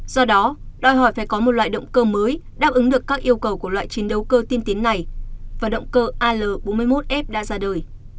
do đó đòi hỏi phải có một loại động cơ mới đáp ứng được các yêu cầu của loại chiến đấu cơ tiên tiến này và động cơ al bốn mươi một f đã ra đời